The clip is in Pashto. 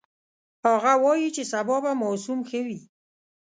هغه وایي چې سبا به موسم ښه وي